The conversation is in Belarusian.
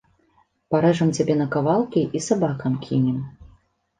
Парэжам цябе на кавалкі і сабакам кінем.